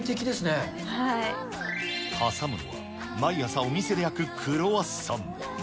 挟むのは、毎朝お店で焼くクロワッサン。